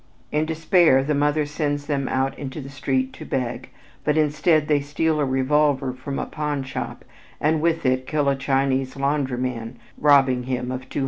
In despair the mother sends them out into the street to beg, but instead they steal a revolver from a pawn shop and with it kill a Chinese laundry man, robbing him of $200.